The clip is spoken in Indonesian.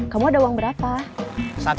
kamu ada uang berapa